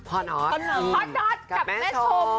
พ่อน็อตกับแม่ชม